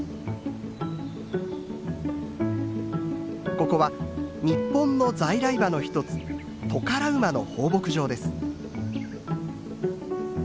ここは日本の在来馬の一つトカラ馬の放牧場です。